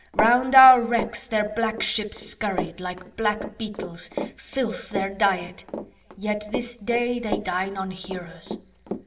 "Round our wrecks, their black ships scurried, like black beetles, filth their diet, yet this day they dine on heroes.